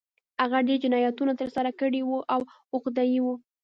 هغه ډېر جنایتونه ترسره کړي وو او عقده اي و